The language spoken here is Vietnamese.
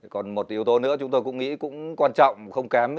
còn một yếu tố nữa chúng tôi cũng nghĩ cũng quan trọng không kém